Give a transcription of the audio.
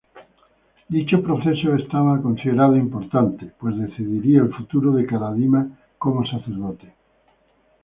Dicho proceso era considerado importante, pues decidiría el futuro de Karadima como sacerdote.